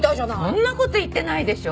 そんな事言ってないでしょ。